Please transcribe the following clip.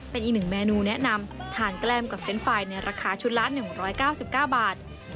เป็นอีกหนึ่งเมนูแนะนำทานแกล้มกับเฟนต์ไฟล์ในราคาชุดละ๑๙๙บาท